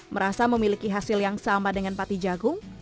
merasa memiliki hasil yang sama dengan pati jagung